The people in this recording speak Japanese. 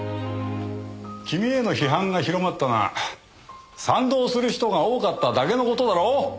君への批判が広まったのは賛同する人が多かっただけの事だろう。